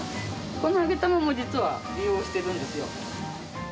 この揚げ玉も実は利用してるんですよ。